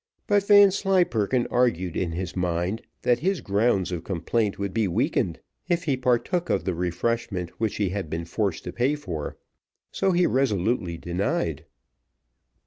But Vanslyperken argued in his mind that his grounds of complaint would be weakened, if he partook of the refreshment which he had been forced to pay for, so he resolutely denied.